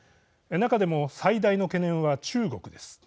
中でも、最大の懸念は中国です。